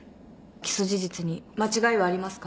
起訴事実に間違いはありますか。